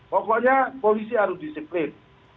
pokoknya polisi harus disiplin